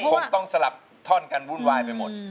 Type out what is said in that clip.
คงต้องสลับท่อนกันวุ่นวายไปหมด